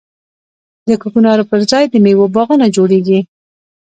د کوکنارو پر ځای د میوو باغونه جوړیږي.